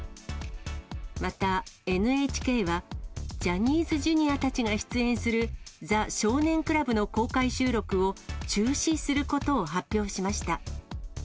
また、ＮＨＫは、ジャニーズＪｒ．たちが出演するザ少年倶楽部の公開収録を中止することを発表しました。